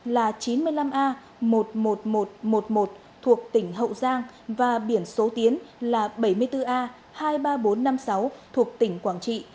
là chín mươi năm a một mươi một nghìn một trăm một mươi một thuộc tỉnh hậu giang và biển số tiến là bảy mươi bốn a hai mươi ba nghìn bốn trăm năm mươi sáu thuộc tỉnh quảng trị